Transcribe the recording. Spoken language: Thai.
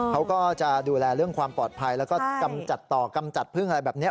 เขาก็จะดูแลเรื่องความปลอดภัยแล้วก็กำจัดต่อกำจัดพึ่งอะไรแบบนี้